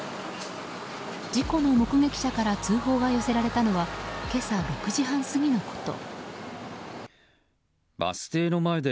事故の目撃者から通報が寄せられたのは今朝６時半過ぎのこと。